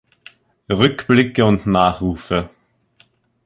Rückblicke und Nachrufe